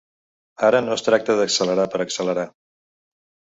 Ara no es tracta d’accelerar per accelerar.